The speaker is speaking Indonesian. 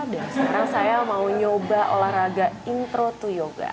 dan sekarang saya mau nyoba olahraga intro to yoga